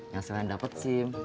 yang selain dapet sim